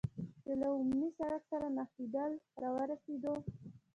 چې له عمومي سړک سره نښلېدل را ورسېدو.